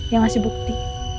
yang ngasih bukti